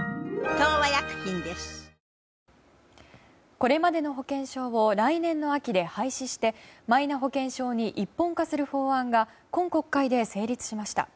これまでの保険証を来年の秋で廃止してマイナ保険証に一本化する法案が今国会で成立しました。